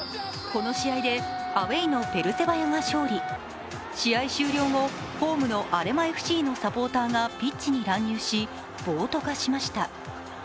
この試合で、アウェーのペルセバヤが勝利、試合終了後、ホームのアレマＦＣのサポーターがピッチに乱入し、暴徒化しました。